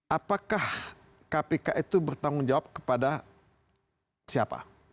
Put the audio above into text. apakah kpk itu bertanggung jawab kepada siapa